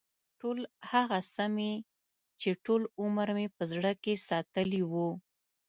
ټول هغه څه مې چې ټول عمر مې په زړه کې ساتلي و.